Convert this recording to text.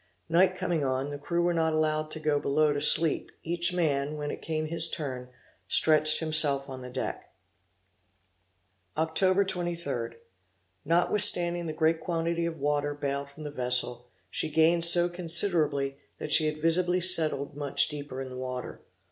Night coming on, the crew were not allowed to go below to sleep; each man, when it came to his turn, stretched himself on the deck. Oct. 23. Notwithstanding the great quantity of water bailed from the vessel, she gained so considerably that she had visibly settled much deeper in the water.